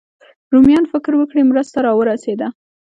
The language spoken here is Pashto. رومیان فکر وکړي مرسته راورسېده.